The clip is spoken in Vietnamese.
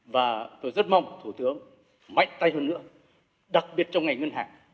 và tôi rất mong thủ tướng mạnh tay hơn nữa đặc biệt trong ngành ngân hàng